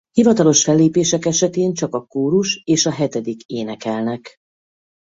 Hivatalos fellépések esetén csak a kórus és a hetedik énekelnek.